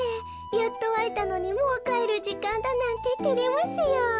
やっとあえたのにもうかえるじかんだなんててれますよ。